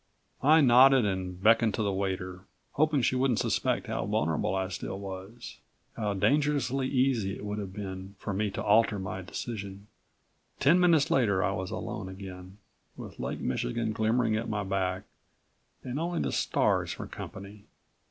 I nodded and beckoned to the waiter, hoping she wouldn't suspect how vulnerable I still was, how dangerously easy it would have been for me to alter my decision. Ten minutes later I was alone again, with Lake Michigan glimmering at my back, and only the stars for company.